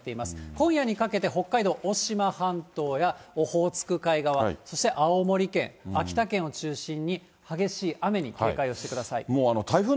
今夜にかけて北海道渡島半島や、オホーツク海側、そして青森県、秋田県を中心に激しい雨に警戒をしてください。